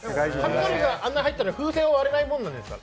かみそりがあんなに入ったら風船は割れないもんなんですか？